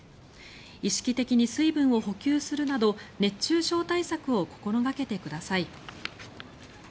意識的に水分を補給するなど熱中症対策を心掛けてください。